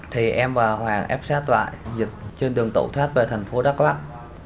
thì em và hoàng ép sát lại dịch trên đường tẩu thoát về thành phố đắk lắc